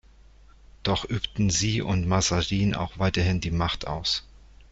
Doch übten sie und Mazarin auch weiterhin die Macht aus.